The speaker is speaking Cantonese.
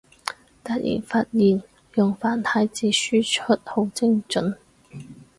突然發現用繁體字輸出好精准